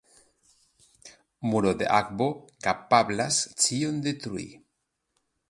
Muro de akvo kapablas ĉion detrui.